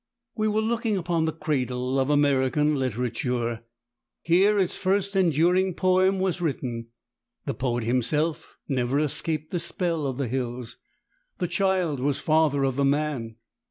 We were looking upon the cradle of American literature. Here its first enduring poem was written. The poet himself never escaped the spell of the hills. The child was father of the man.